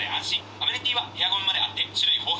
アメニティーはヘアゴムまであって種類豊富。